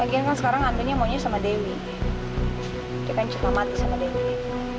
lagian kan sekarang andre mau sama dewi dia kan cinta mati sama dewi